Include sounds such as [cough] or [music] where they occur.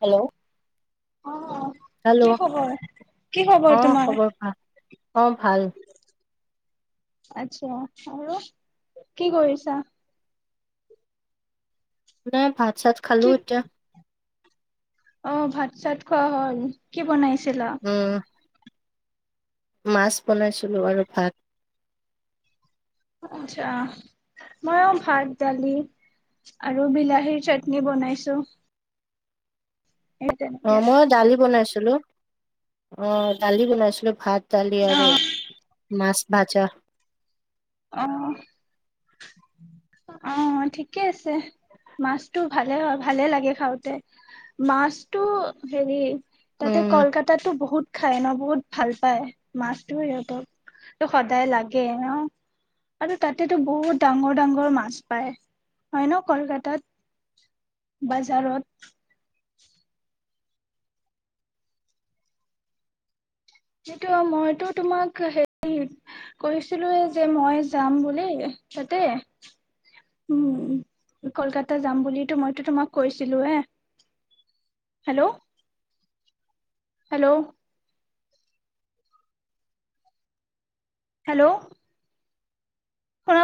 Hello [unintelligible] hello, কি খবৰ? কি খবৰ অ' তোমাৰ? খবৰ ভাল। অ' ভাল। আচ্ছা আৰু, কি কৰিছা? নাই ভাত চাত খালো কি এতিয়া। অ' ভাত-চাত খোৱা হ'ল । কি বনাই উম মাছ বনাইছিলোঁ আৰু ভাত। আচ্ছা। ময়ো ভাত, দালি আৰু বিলাহীৰ চাটনি বনাইছোঁ। অ' ময়ো দালি বনাইছোঁ। ছিলোঁ। অ' দালি বনাইছিলোঁ। ভাত দালি আৰু অ', মাছ। বাচা অ'। অ', ঠিকে আছে । মাছটো ভালে হয়- ভালে লাগে খাওঁতে । মাছটো হেৰি তাতে উম কলকাতাতো বহুত খাই ন'? বহুত ভাল পায় মাছটো সিহঁতক । তো সদায় লাগে ন'? আৰু তাতেতো বহুত ডাঙৰ-ডাঙ্গৰ মাছ পায়, হয় ন'? কলকাতাত, বাজাৰত। সেইটো মইতো তোমাক হেৰি কৈছিলোৱে যে মই যাম বুলি তাতে । উম, কলকাতা যাম বুলিতো মইতো তোমাক কৈছিলোৱে। হেল্ল'? হেল্ল'? হেল্ল'?